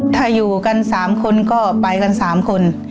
ถ้าอยู่กัน๓คนก็ไปกัน๓คน